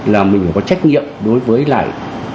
là mình phải có trách nhiệm đối với lại